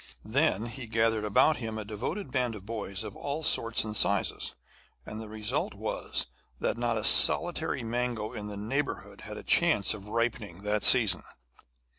Then he gathered about him a devoted band of boys of all sorts and sizes, and the result was that not a solitary mango in the neighbourhood had a chance of ripening that season.